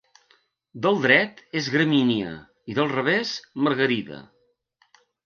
Del dret és gramínia i del revés Margarida.